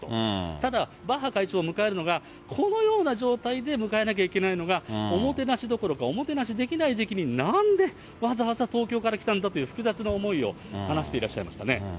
ただ、バッハ会長を迎えるのがこのような状態で迎えなきゃいけないのが、おもてなしどころか、おもてなしできない時期になんでわざわざ東京から来たんだという、複雑な思いを話していらっしゃいましたね。